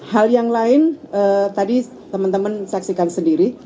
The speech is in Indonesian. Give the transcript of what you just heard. hal yang lain tadi teman teman saksikan sendiri